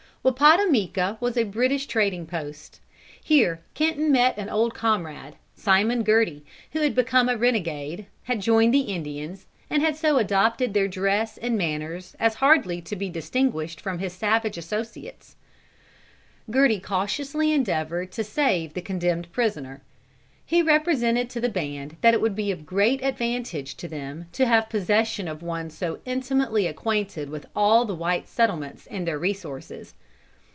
Wappatomica was a British trading post. Here Kenton met an old comrade, Simon Girty, who had become a renegade, had joined the Indians, and had so adopted their dress and manners as hardly to be distinguished from his savage associates. Girty cautiously endeavored to save the condemned prisoner. He represented to the band that it would be of great advantage to them to have possession of one so intimately acquainted with all the white settlements and their resources.